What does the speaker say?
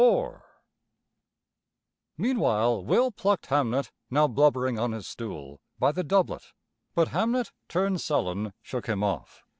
IV Meanwhile Will plucked Hamnet now blubbering on his stool, by the doublet. But Hamnet, turned sullen, shook him off.